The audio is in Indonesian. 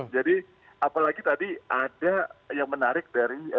jadi apalagi tadi ada yang menarik dari